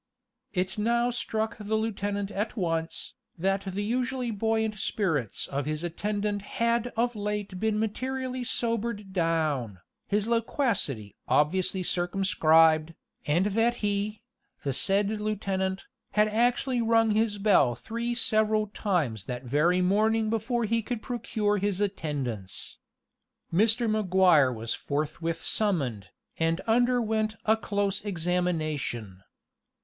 It now struck the lieutenant at once, that the usually buoyant spirits of his attendant had of late been materially sobered down, his loquacity obviously circumscribed, and that he, the said lieutenant, had actually rung his bell three several times that very morning before he could procure his attendance. Mr. Maguire was forthwith summoned, and underwent a close examination.